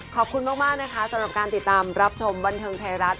ขอบคุณมากนะคะสำหรับการติดตามรับชมบันเทิงไทยรัฐ